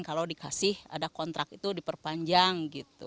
kalau dikasih ada kontrak itu diperpanjang gitu